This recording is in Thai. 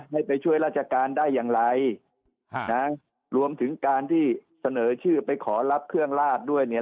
ให้ไปช่วยราชการได้อย่างไรรวมถึงการที่เสนอชื่อไปขอรับเครื่องราชด้วยเนี่ย